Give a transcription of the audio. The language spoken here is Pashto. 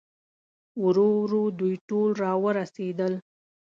ورو ورو دوی ټول راورسېدل.